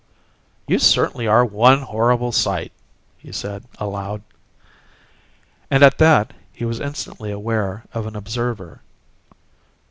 "You certainly are one horrible sight!" he said, aloud. And at that he was instantly aware of an observer.